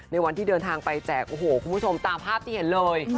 วันที่เดินทางไปแจกโอ้โหคุณผู้ชมตามภาพที่เห็นเลย